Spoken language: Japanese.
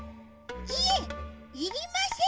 いえいりません。